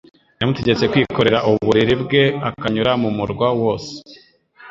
yamutegetse kwikorera uburiri bwe akanyura mu murwa wose